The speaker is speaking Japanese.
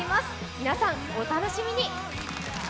皆さん、お楽しみに。